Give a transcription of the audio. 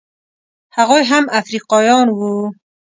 هغوی هم افریقایان وو.